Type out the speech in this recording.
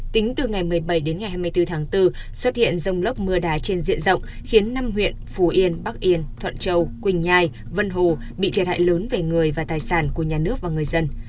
tính từ ngày một mươi bảy đến ngày hai mươi bốn tháng bốn xuất hiện rông lốc mưa đá trên diện rộng khiến năm huyện phú yên bắc yên thuận châu quỳnh nhai vân hồ bị thiệt hại lớn về người và tài sản của nhà nước và người dân